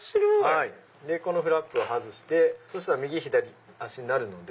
このフラップを外してそしたら右左足になるので。